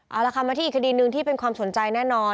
เอาละค่ะมาที่อีกคดีหนึ่งที่เป็นความสนใจแน่นอน